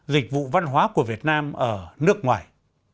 dịch vụ văn hóa của việt nam ở nước ngoài